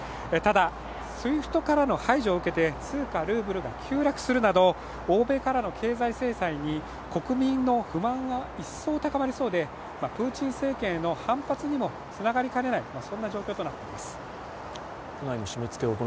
ただＳＷＩＦＴからの排除を受けて通貨ルーブルが急落するなど欧米からの経済制裁に国民の不満も一層、高まりそうでプーチン政権への反発にもつながりかねない状況になっています。